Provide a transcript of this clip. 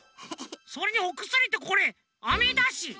それにおくすりってこれアメだし。